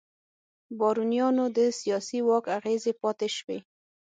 بارونیانو د سیاسي واک اغېزې پاتې شوې.